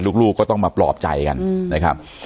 ลูกก็ต้องมาปลอบใจกันนะครับ